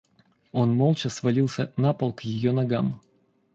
Он молча свалился на пол к ее ногам.